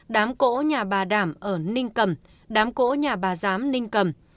đám cổ nhà bà đảm ở ninh cầm đám cỗ nhà bà giám ninh cầm